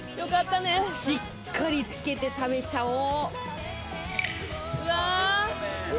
しっかりつけて食べちゃおう。